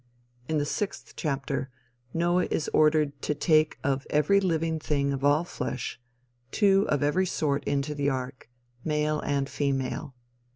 In the sixth chapter, Noah is ordered to take "of every living thing of all flesh, two of every sort into the ark male and female."